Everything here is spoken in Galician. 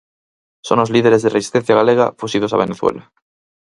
Son os líderes de Resistencia Galega fuxidos a Venezuela.